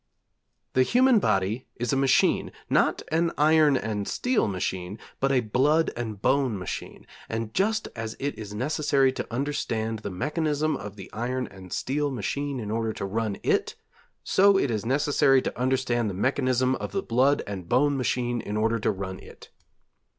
The human body is a machine, not an iron and steel machine, but a blood and bone machine, and just as it is necessary to understand the mechanism of the iron and steel machine in order to run it, so is it necessary to understand the mechanism of the blood and bone machine in order to run it.